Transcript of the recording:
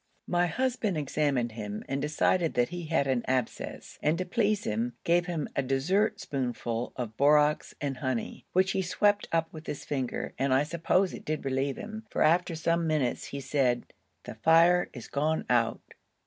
My husband examined him and decided that he had an abscess, and, to please him, gave him a dessertspoonful of borax and honey, which he swept up with his finger, and I suppose it did relieve him, for after some minutes he said: 'The fire is gone out.'